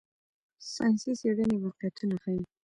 ساینسي څېړنې واقعیتونه ښيي.